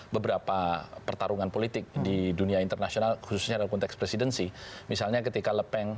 beberapa pertarungan politik di dunia internasional khususnya dalam konteks presidensi misalnya ketika lepeng